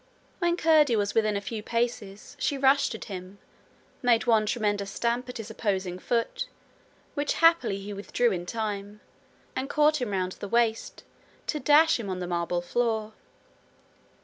When Curdie was within a few paces, she rushed at him, made one tremendous stamp at his opposing foot, which happily he withdrew in time, and caught him round the waist, to dash him on the marble floor.